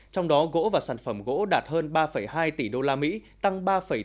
trong đó gỗ và sản phẩm gỗ đạt hơn ba hai tỷ usd tăng ba bốn